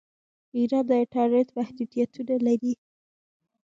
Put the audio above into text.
ایران د انټرنیټ محدودیتونه لري.